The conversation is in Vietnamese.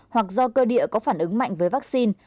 hoặc do cơ địa có phản ứng mạnh với vaccine